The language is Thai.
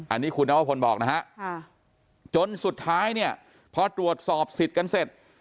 อันนี้คุณนวพลบอกนะฮะจนสุดท้ายเนี่ยพอตรวจสอบสิทธิ์กันเสร็จ